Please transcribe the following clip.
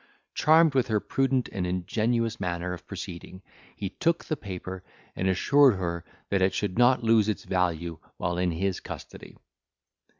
Charmed with her prudent and ingenuous manner of proceeding, he took the paper, and assured her that it should not lose its value while in his custody.